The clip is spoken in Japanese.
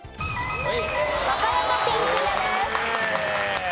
和歌山県クリアです。